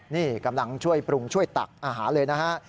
นี่กำลังช่วยปรุงช่วยตักอาหารเลยนะฮะ